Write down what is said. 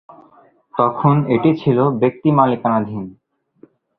তখন এটি ছিল ব্যক্তিমালিকানাধীন।